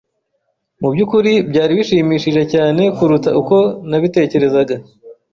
Mubyukuri byari bishimishije cyane kuruta uko nabitekerezaga.